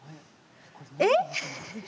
えっ！？